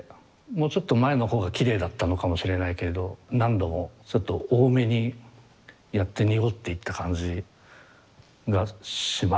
もうちょっと前の方がきれいだったのかもしれないけれど何度もちょっと多めにやって濁っていった感じがしますが。